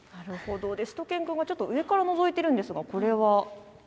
しゅと犬くんも上からのぞいているんですが、これは？